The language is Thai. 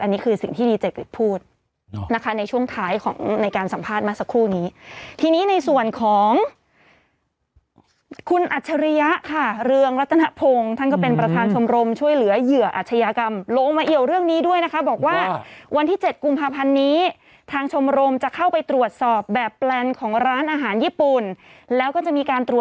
อันนี้คือสิ่งที่ดีเจกฤทธิพูดนะคะในช่วงท้ายของในการสัมภาษณ์มาสักครู่นี้ทีนี้ในส่วนของคุณอัจฉริยะค่ะเรืองรัตนพงศ์ท่านก็เป็นประธานชมรมช่วยเหลือเหยื่ออาชญากรรมลงมาเอี่ยวเรื่องนี้ด้วยนะคะบอกว่าวันที่เจ็ดกุมภาพันธ์นี้ทางชมรมจะเข้าไปตรวจสอบแบบแปลนของร้านอาหารญี่ปุ่นแล้วก็จะมีการตรวจ